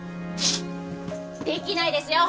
できないですよ！